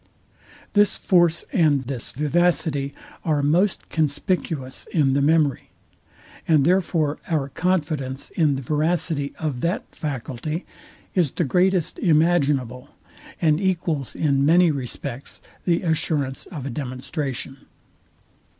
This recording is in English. This force and this vivacity are most conspicuous in the memory; and therefore our confidence in the veracity of that faculty is the greatest imaginable, and equals in many respects the assurance of a demonstration.